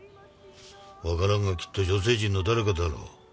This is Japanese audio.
わからんがきっと女性陣の誰かだろう。